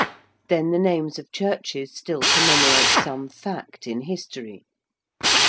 Then the names of churches still commemorate some fact in history. St.